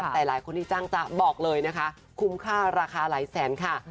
แต่หลายคนที่จ้างจ๊ะบอกเลยนะคะคุ้มค่าราคาหลายแสนค่ะ